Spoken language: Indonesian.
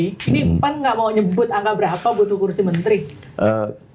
ini pan nggak mau nyebut angka berapa butuh kursi menteri